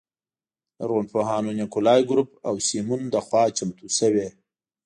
لرغونپوهانو نیکولای ګروب او سیمون لخوا چمتو شوې.